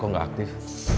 kok nggak aktif